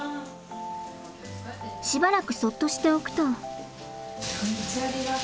しばらくそっとしておくと。